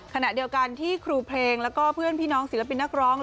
ขณะเดียวกันที่ครูเพลงแล้วก็เพื่อนพี่น้องศิลปินนักร้อง